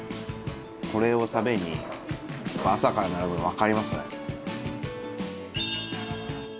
これを食べに朝から並ぶのわかりますね。